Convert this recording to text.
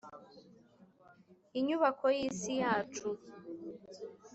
inyubako yi si yacu